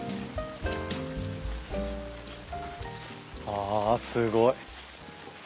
あすごい。